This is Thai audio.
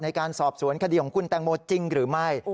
ในการสอบสวนคดีของคุณแตงโมจริงหรือไม่